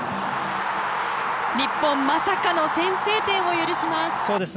日本、まさかの先制点を許します。